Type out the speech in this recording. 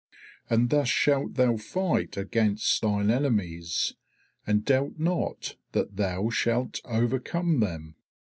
And thus shalt thou fight against thine enemies, and doubt not that thou shalt overcome them.